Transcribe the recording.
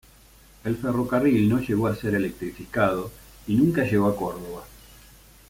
El ferrocarril no llegó a ser electrificado y nunca llegó a Córdoba.